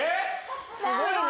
すごいね。